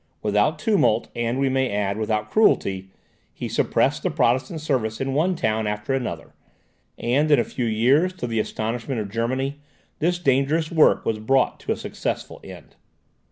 Without tumult, and we may add, without cruelty, he suppressed the Protestant service in one town after another, and in a few years, to the astonishment of Germany, this dangerous work was brought to a successful end.